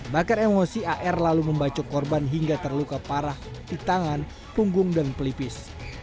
bakar emosi ar lalu membacok korban hingga terluka parah di tangan punggung dan pelipis